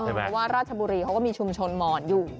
เพราะว่าราชบุรีเขาก็มีชุมชนหมอนอยู่